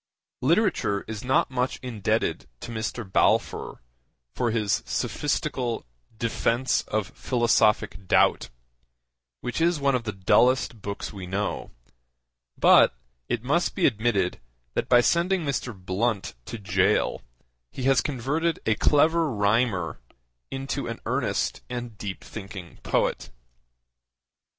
Literature is not much indebted to Mr. Balfour for his sophistical Defence of Philosophic Doubt which is one of the dullest books we know, but it must be admitted that by sending Mr. Blunt to gaol he has converted a clever rhymer into an earnest and deep thinking poet.